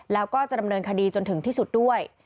แล้วก็จะดำเนินคดีจนถึงที่สุดด้วย